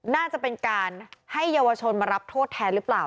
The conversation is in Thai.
น่าจะเป็นการให้เยาวชนมารับโทษแทนหรือเปล่า